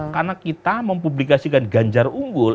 karena kita mempublikasikan ganjar unggul